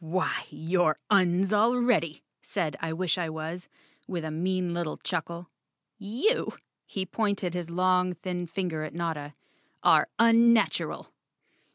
"Why, you're Uns already," said I wish I was, with a mean little chuckle. "You," he pointed his long thin finger at Notta, "are unnatural.